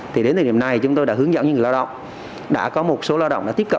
thì đến thời điểm này chúng tôi đã hướng dẫn những người lao động đã có một số lao động đã tiếp cận